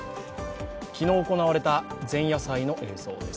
昨日行われた前夜祭の映像です。